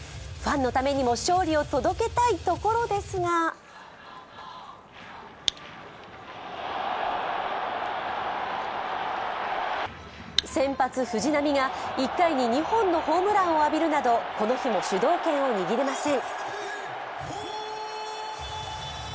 ファンのためにも勝利を届けたいところですが先発・藤浪が１回に２本のホームランを浴びるなど、この日も主導権を握れません。